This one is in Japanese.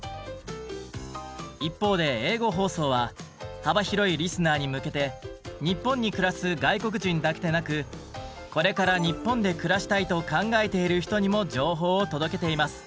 一方で英語放送は幅広いリスナーに向けて日本に暮らす外国人だけでなく「これから日本で暮らしたいと考えている人」にも情報を届けています。